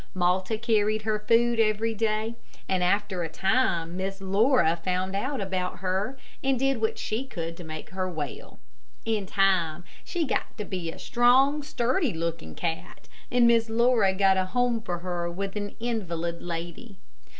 Malta carried her food every day, and after a time Miss Laura found out about her, and did what she could to make her well. In time she got to be a strong, sturdy looking cat, and Miss Laura got a home for her with an invalid lady.